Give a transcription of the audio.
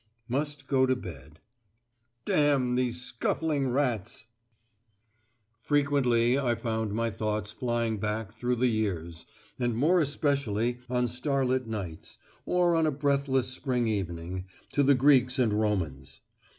Must go to bed. D these scuffling rats." Frequently I found my thoughts flying back through the years, and more especially on starlit nights, or on a breathless spring evening, to the Greeks and Romans.